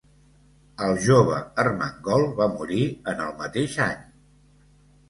El jove Ermengol va morir en el mateix any.